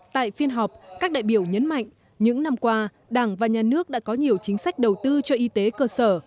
tại phiên họp các đại biểu nhấn mạnh những năm qua đảng và nhà nước đã có nhiều chính sách đầu tư cho y tế cơ sở